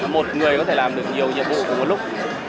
một người có thể làm được nhiều nhiệm vụ cùng một lúc